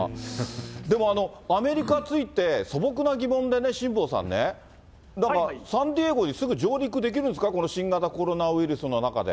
でもあれ、アメリカ着いて、素朴な疑問でね、辛坊さんね、サンディエゴにすぐ上陸できるんですか、この新型コロナウイルス